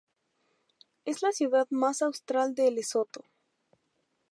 Es la ciudad más austral de Lesotho.